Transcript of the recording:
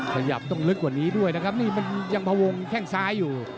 ขยับต้องลึกกว่านี้ด้วยนะครับนี่มันยังพวงแข้งซ้ายอยู่